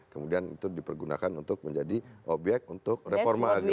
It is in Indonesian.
kemudian itu dipergunakan untuk menjadi obyek untuk reform agraria